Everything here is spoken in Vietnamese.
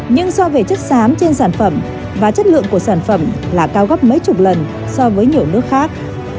nhưng do về chất xám trên sản phẩm và chất lượng của sản phẩm là cao gấp mấy chục lần so với nhiều nước khác